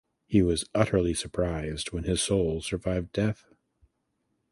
He was utterly surprised when his soul survived death.